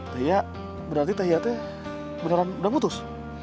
teh iya berarti teh iya teh beneran udah putus